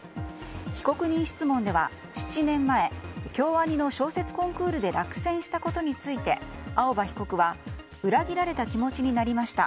被告人質問では、７年前京アニの小説コンクールで落選したことについて青葉被告は裏切られた気持ちになりました。